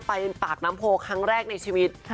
ไปปากน้ำโพครั้งแรกในชีวิต